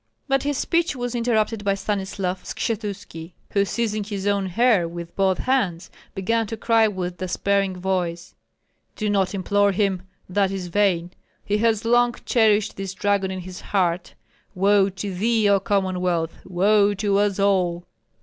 But his speech was interrupted by Stanislav Skshetuski, who seizing his own hair with both hands, began to cry with despairing voice: "Do not implore him; that is vain. He has long cherished this dragon in his heart! Woe to thee, O Commonwealth! woe to us all!"